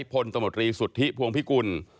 พลตมตรีสุทธิพวงพิกุล